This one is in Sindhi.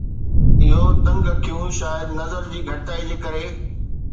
اهو تنگ اکيون شايد نظر جي گهڻائي جي ڪري